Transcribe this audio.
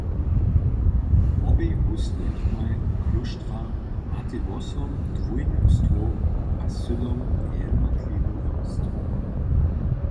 Wobej hóstnej domaj klóštra matej wosom dwójnych stwow a sydom jednotliwych stwow.